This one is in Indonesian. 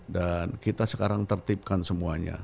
dan kita sekarang tertipkan semuanya